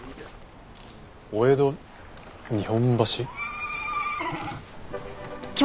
お江戸日本橋？